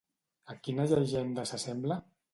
A quina llegenda s'assembla?